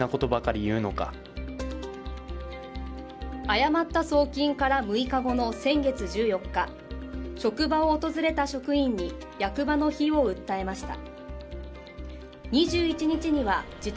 誤った送金から６日後の先月１４日職場を訪れた職員に役場の非を訴えました。